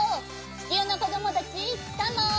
ちきゅうのこどもたちカモン。